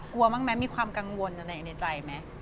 กลัวบ้างไหมมีความกังวลอะไรในใจไหม